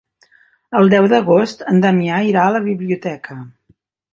El deu d'agost en Damià irà a la biblioteca.